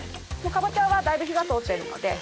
かぼちゃはだいぶ火が通ってるので。